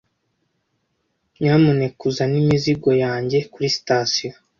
Nyamuneka uzane imizigo yanjye kuri sitasiyo.